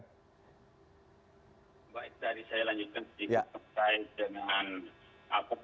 baik tadi saya lanjutkan sedikit